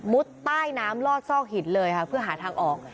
ใต้น้ำลอดซอกหินเลยค่ะเพื่อหาทางออก